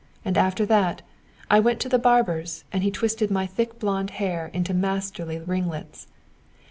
And after that, I went to the barber's and he twisted my thick blonde hair into masterly ringlets.